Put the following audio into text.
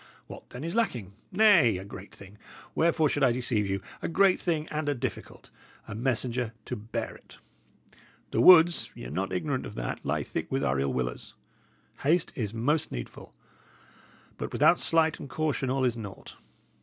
What, then, is lacking? Nay, a great thing wherefore should I deceive you? a great thing and a difficult: a messenger to bear it. The woods y' are not ignorant of that lie thick with our ill willers. Haste is most needful; but without sleight and caution all is naught.